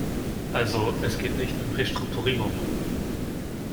Also, es geht nicht um Restrukturierung.